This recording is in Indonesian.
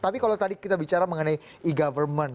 tapi kalau tadi kita bicara mengenai e government